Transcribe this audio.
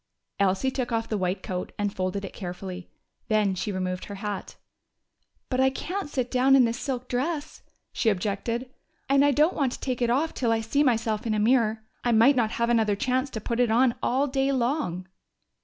Elsie took off the white coat and folded it carefully. Then she removed her hat. "But I can't sit down in this silk dress," she objected. "I might get it dirty, and I don't want to take it off till I see myself in a mirror. I might not have another chance to put it on all day long!"